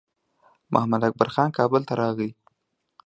محمداکبر خان کابل ته راغی.